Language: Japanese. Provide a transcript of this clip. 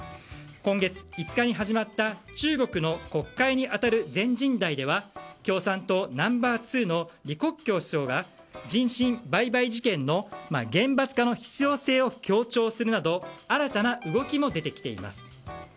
今月５日に始まった中国の国会に当たる全人代では共産党ナンバー２の李克強首相が人身売買事件の厳罰化の必要性を強調するなど新たな動きも出てきています。